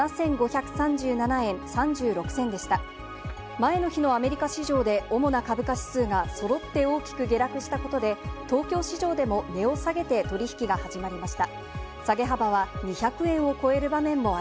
前の日のアメリカ市場で主な株価指数がそろって大きく下落したことで、東京市場でも値を下げて取引が始まりました。